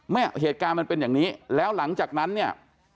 เนี่ยเหตุการณ์มันเป็นอย่างนี้แล้วหลังจากนั้นเนี่ย